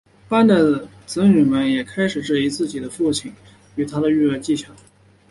班的子女们也开始质疑自己的父亲与他的育儿技巧。